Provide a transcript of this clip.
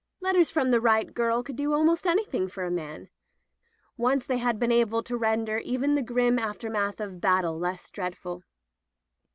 Letters from the right girl could do almost anything for a man. Once they had been able to render even the grim aftermath of battle less dreadful.